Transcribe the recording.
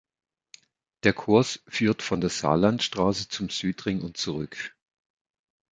Der Kurs führt von der Saarlandstraße zum Südring und zurück.